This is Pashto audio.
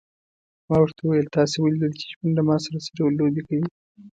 ما ورته وویل: تاسي ولیدل چې ژوند له ما سره څه ډول لوبې کوي.